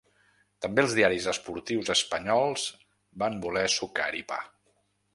També els diaris esportius espanyols van voler sucar-hi pa.